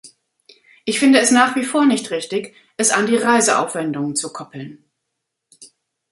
Ich finde es nach wie vor nicht richtig, es an die Reiseaufwendungen zu koppeln.